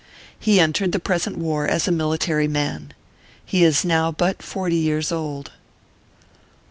He entered the present war as a military man. He is now but forty years old.